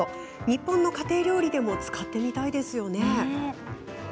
日本の家庭料理でも使ってみたいですよね。